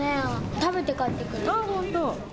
食べて帰ってくるって。